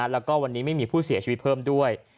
แล้วก็วันนี้ไม่มีผู้เสียชีวิตเพิ่มด้วย